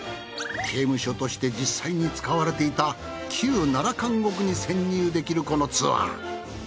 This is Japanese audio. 刑務所として実際に使われていた旧奈良監獄に潜入できるこのツアー。